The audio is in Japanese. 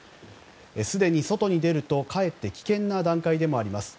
すでに外に出ると、かえって危険な段階でもあります。